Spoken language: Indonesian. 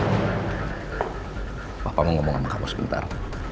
pangeran papa mau ngomong sama kamu sebentar